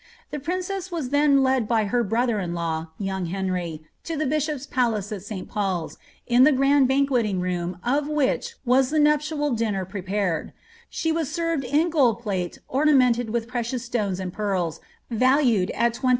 The princess was then led by her brother in law, young Henry, to the bishop's palace of Sl PkuPs, in the grand banqueting room of which was the nuptial dinner prepared ; she was served in gold plate ornamented with precious stones ind pearls valued at 20,000